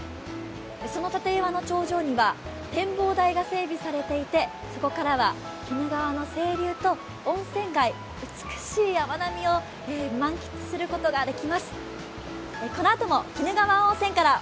その楯岩の頂上には展望台が整備されていてそこからは鬼怒川の清流と温泉街、美しい山並みを満喫することができます。